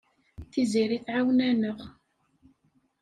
Tiziri tɛawen-aneɣ.